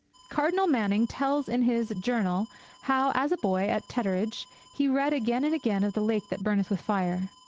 Cardinal Manning tells in his Journal how, as a boy at Tetteridge, he read again and again of the lake that burneth with fire.